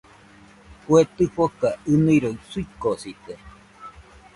Kue tɨfoka ɨniroi suikosite